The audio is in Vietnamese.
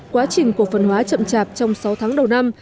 quá trình cổ phần hóa chậm chạp trong sáu tháng đầu năm